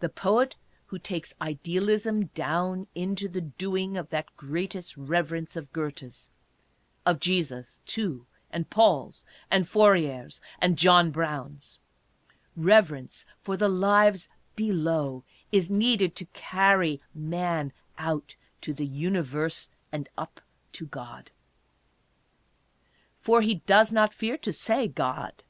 The poet who takes Idealism down into the doing of that greatest reverence of Goethe's — of Jesus', too, and Paul's, and Fourier's, and John Brown's — reverence for the lives below, is needed to carry man out to the Universe and up to God. For he does not fear to say, God.